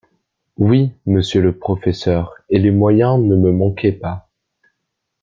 Oui, monsieur le professeur, et les moyens ne me manquaient pas.